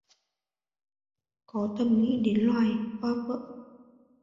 Có thầm nghĩ đến loài...hoa vỡ